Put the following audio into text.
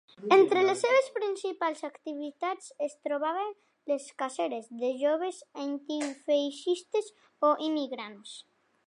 Entre les seves principals activitats es trobaven les ‘caceres’ de joves antifeixistes o immigrants.